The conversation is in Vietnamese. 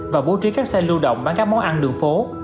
và bố trí các xe lưu động bán các món ăn đường phố